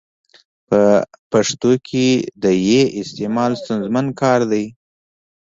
په پښتو کي د ي استعمال ستونزمن کار دی.